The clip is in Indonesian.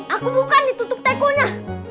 aku bukan ditutup teko nya